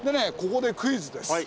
ここでクイズです。